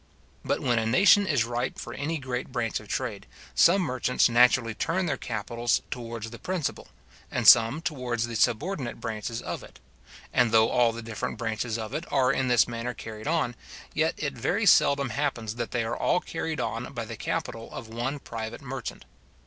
But when a nation is ripe for any great branch of trade, some merchants naturally turn their capitals towards the principal, and some towards the subordinate branches of it; and though all the different branches of it are in this manner carried on, yet it very seldom happens that they are all carried on by the capital of one private merchant.